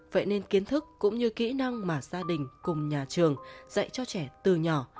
vậy nên kiến thức cũng như kỹ năng mà gia đình cùng nhà trường dạy cho trẻ từ nhỏ